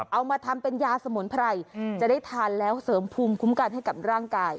เอามาทำเป็นยาสมุนไพรจะได้ทานแล้วเสริมภูมิคุ้มกันให้กับร่างกาย